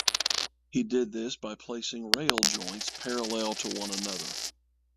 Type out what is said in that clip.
He did this by placing rail joints parallel to one another.